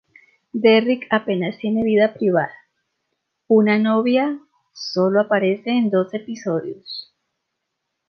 Derrick apenas tiene vida privada; una novia sólo aparece en dos episodios.